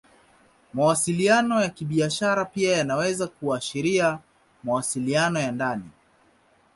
Mawasiliano ya Kibiashara pia yanaweza kuashiria mawasiliano ya ndani.